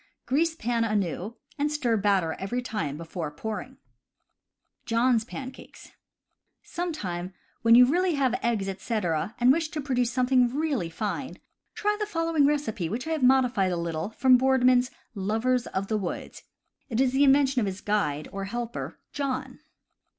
Grease pan anew and stir batter every time before pouring. John's Pancakes. — Some time when you really have eggs, etc., and wish to produce something really fine, try the following recipe, which I have modified a little from Boardman's Lovers of the Woods. It is the inven tion of his guide, or helper, John.